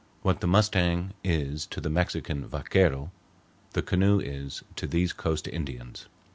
What the mustang is to the Mexican vaquero, the canoe is to these coast Indians.